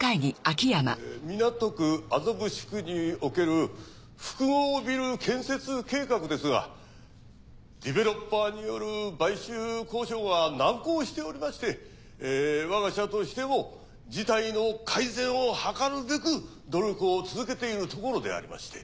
港区麻布地区における複合ビル建設計画ですがディベロッパーによる買収交渉が難航しておりまして我が社としても事態の改善を図るべく努力を続けているところでありまして。